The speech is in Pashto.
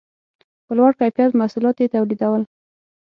په لوړ کیفیت محصولات یې تولیدول